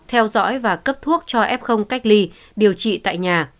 theo dõi và cấp thuốc cho f cách ly điều trị tại nhà